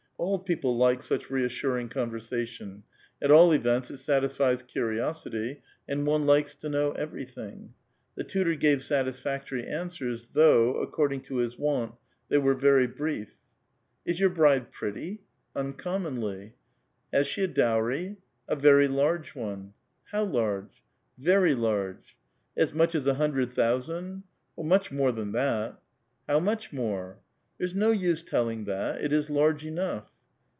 All people like such reassuring conversation ; at all events it satisfies curi osity, and one likes to know everything. The tutor gave satisfactory answers, though, according to his wont, they were very brief. *' Is your bride pretty?" " Uncommonly." ''lias she a dowry? " A very large one.' "How large?" " Very large !"" As much as a hundred thousand?" " Much more than that." " How much more?" " There's no use telling that; it is large enough."